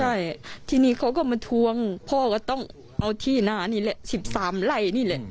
ใช่ทีนี้เขาก็มาทวงพ่อก็ต้องเอาที่หน้านี่แหละ๑๓ไร่นี่แหละ